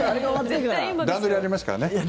段取りありますからね。